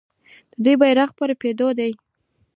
د دوی بیرغ په رپیدو دی.